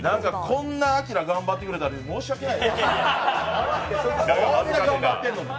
こんなアキラ頑張ってくれたのに申し訳ない。